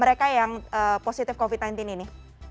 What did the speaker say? mereka yang positif covid sembilan belas ini